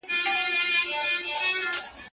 یو زلمی به په ویده قام کي پیدا سي